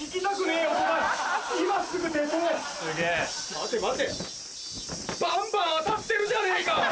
待て待てバンバン当たってるじゃねえか！